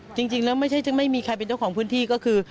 จริงแล้วก็ไม่มีใครเป็นเจ้าของพื้นที่